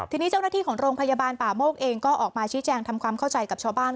ทีนี้เจ้าหน้าที่ของโรงพยาบาลป่าโมกเองก็ออกมาชี้แจงทำความเข้าใจกับชาวบ้าน